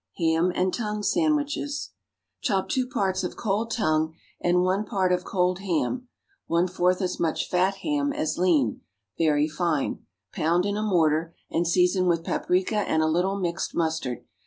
=Ham and Tongue Sandwiches.= Chop two parts of cold tongue and one part of cold ham (one fourth as much fat ham as lean) very fine; pound in a mortar, and season with paprica and a little mixed mustard.